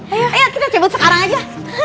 ayo kita cebut sekarang aja